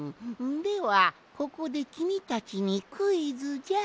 ではここできみたちにクイズじゃ。